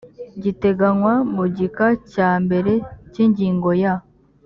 giteganywa mu gika cya mbere cy ingingo ya